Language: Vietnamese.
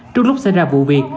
trước lúc xảy ra vụ việc